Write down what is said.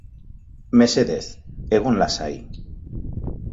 Mesedez, egon lasai.